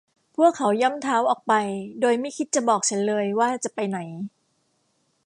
พวกเขาย่ำเท้าออกไปโดยไม่คิดจะบอกฉันเลยว่าจะไปไหน